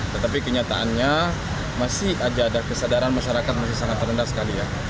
tetapi kenyataannya masih aja ada kesadaran masyarakat masih sangat rendah sekali ya